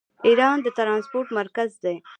ایران د ټرانسپورټ مرکز دی.